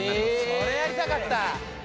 それやりたかった。